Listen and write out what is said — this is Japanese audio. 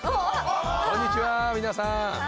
こんにちは皆さん。